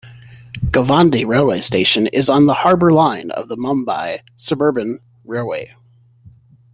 Govandi railway station is on the Harbour Line of the Mumbai Suburban Railway.